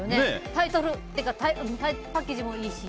タイトルというかパッケージもいいし。